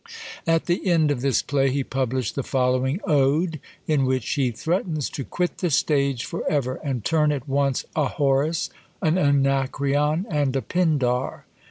At the end of this play he published the following Ode, in which he threatens to quit the stage for ever; and turn at once a Horace, an Anacreon, and a Pindar.